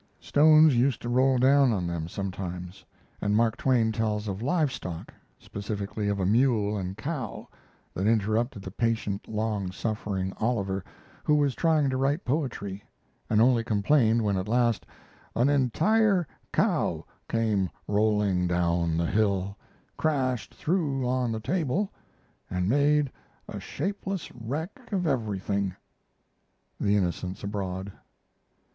Stones used to roll down on them sometimes, and Mark Twain tells of live stock specifically of a mule and cow that interrupted the patient, long suffering Oliver, who was trying to write poetry, and only complained when at last "an entire cow came rolling down the hill, crashed through on the table, and made a shapeless wreck of everything." ['The Innocents Abroad.'